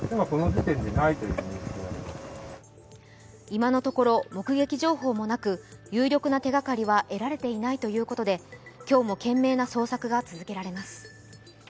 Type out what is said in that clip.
今のところ目撃情報もなく有力な手がかりは得られていないということで今日も懸命な捜索が続けられます。